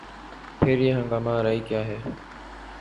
پھر یہ ہنگامہ آرائی کیا ہے؟